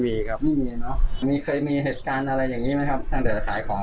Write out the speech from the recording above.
ไม่มีครับ